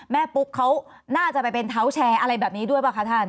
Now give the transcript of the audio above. ปุ๊กเขาน่าจะไปเป็นเท้าแชร์อะไรแบบนี้ด้วยป่ะคะท่าน